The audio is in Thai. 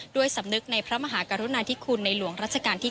ก็มากันแบบที่ว่าตั้งใจ